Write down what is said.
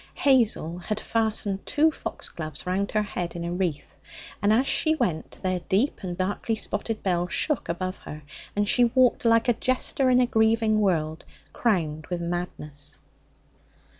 Hazel had fastened two foxgloves round her head in a wreath, and as she went their deep and darkly spotted bells shook above her, and she walked, like a jester in a grieving world, crowned with madness.